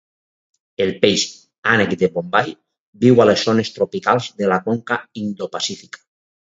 El peix "ànec de Bombay" viu a les zones tropicals de la conca Indo-Pacífica.